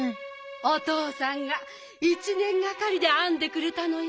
おとうさんが１ねんがかりであんでくれたのよ。